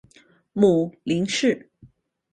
母林氏。